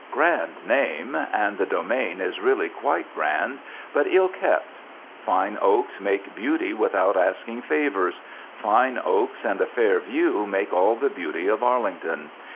Grand name! and the domain is really quite grand, but ill kept. Fine oaks make beauty without asking favors. Fine oaks and a fair view make all the beauty of Arlington.